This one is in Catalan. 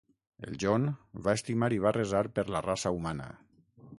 El John va estimar i va resar per la raça humana.